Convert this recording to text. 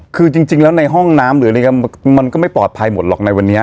คือจริงแล้วในห้องน้ำหรืออะไรมันก็ไม่ปลอดภัยหมดหรอกในวันนี้